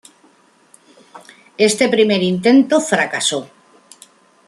Este primer intento fracasó.